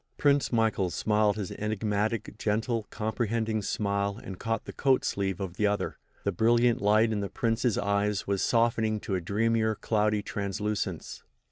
Prince Michael smiled his enigmatic, gentle, comprehending smile and caught the coat sleeve of the other. The brilliant light in the Prince's eyes was softening to a dreamier, cloudy translucence.